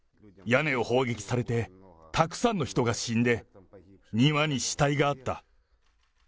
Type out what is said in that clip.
屋根を砲撃されて、たくさんの人が死んで、庭に死体があった。